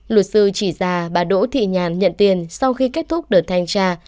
luật sư chỉ ra bà đỗ thị nhàn nhận tiền sau khi kết thúc đợt thanh tra